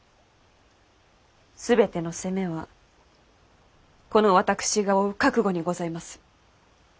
全ての責めはこの私が負う覚悟にございます。